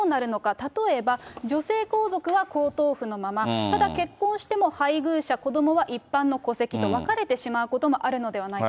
例えば、女性皇族は皇統譜のまま、ただ結婚しても配偶者、子どもは一般の戸籍と分かれてしまうこともあるのではないか。